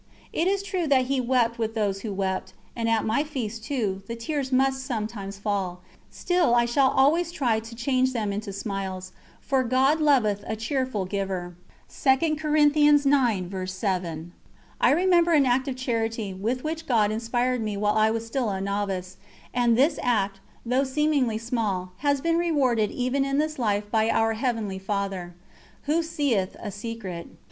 It is true that he wept with those who wept, and at my feast, too, the tears must sometimes fall, still I shall always try to change them into smiles, for "God loveth a cheerful giver." I remember an act of charity with which God inspired me while I was still a novice, and this act, though seemingly small, has been rewarded even in this life by Our Heavenly Father, "Who seeth in secret."